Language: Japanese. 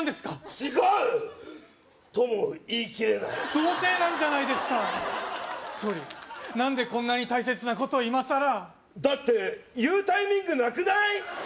違う！とも言い切れない童貞なんじゃないですか総理何でこんなに大切なことをいまさらだって言うタイミングなくない？